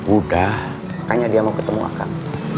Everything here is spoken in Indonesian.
udah makanya dia mau ketemu akan